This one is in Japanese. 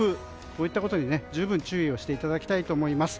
こういったことに十分注意していただきたいと思います。